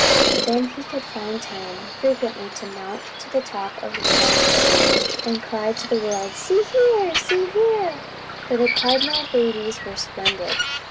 He then could find time frequently to mount to the top of the dogwood, and cry to the world, "See here! See here!" for the cardinal babies were splendid.